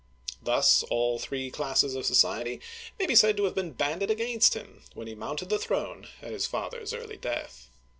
Thus all three classes of society may be said to have been banded against him, when he mounted the throne at his father's early death.